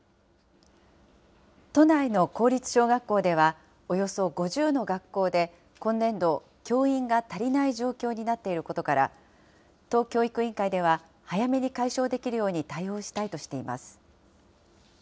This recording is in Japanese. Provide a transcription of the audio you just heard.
都内の公立小学校では、およそ５０の学校で、今年度、教員が足りない状況になっていることから、都教育委員会では、早めに解消できるように対応したいとしています。